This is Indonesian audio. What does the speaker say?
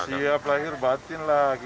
siap lahir batin lah